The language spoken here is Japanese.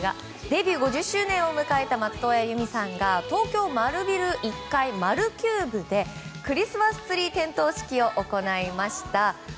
デビュー５０周年を迎えた松任谷由実さんが東京・丸ビル１階丸キューブでクリスマスツリー点灯式を行いました。